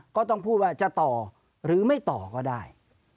ก็ต้องพูดว่าจะต่อหรือไม่ต่อก็ได้